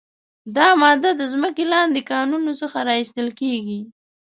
دا ماده له ځمکې لاندې کانونو څخه را ایستل کیږي.